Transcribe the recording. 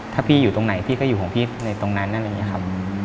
ถ้าพี่อยู่ตรงไหนพี่ก็อยู่ของพี่ในตรงนั้นอะไรอย่างนี้ครับ